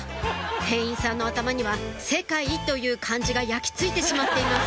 店員さんの頭には「世界」という漢字が焼きついてしまっています